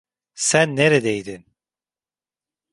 Sen neredeydin?